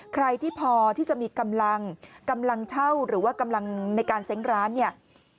ใครที่พอที่จะมีกำลังกำลังเช่าหรือว่ากำลังในการเซ้งร้านเนี่ย